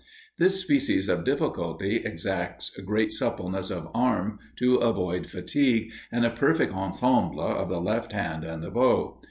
This species of difficulty exacts great suppleness of arm to avoid fatigue, and a perfect ensemble of the left hand and the bow.